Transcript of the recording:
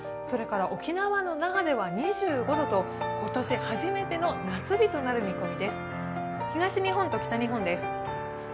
それから沖縄の那覇では２５度と今年初めての夏日となる見込みです。